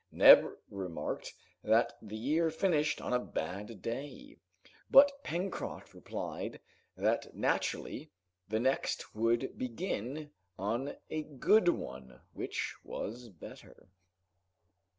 Neb remarked that the year finished on a bad day, but Pencroft replied that naturally the next would begin on a good one, which was better.